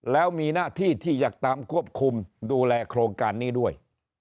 แล้วมีหน้าที่ที่จะตามควบคุมดูแลโครงการนี้ด้วย